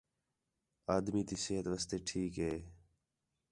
آدمی تی صحت واسطے ٹھیک ہِے